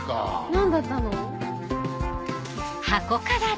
何だったの？